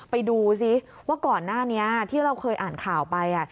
ไปดูซิว่าก่อนหน้านี้ที่เราเคยอ่านข่าวไป